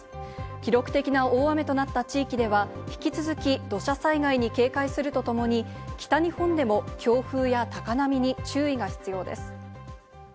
記録的な大雨となった地域では、引き続き土砂災害に警戒するとともに、北日本でも強風や高波に注意が必要です。